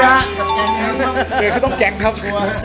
เราเค้าต้องแก่งครับ